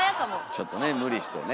ちょっとね無理してね。